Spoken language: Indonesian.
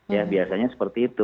ya biasanya seperti itu